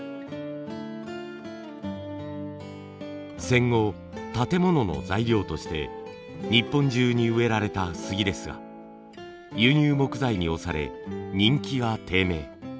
戦後建物の材料として日本中に植えられたスギですが輸入木材に押され人気が低迷。